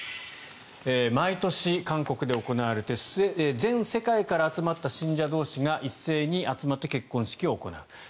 毎年、韓国で行われて全世界から集まった信者同士が一斉に集まって結婚式を行う。